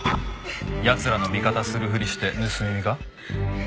奴らの味方するふりして盗み見か？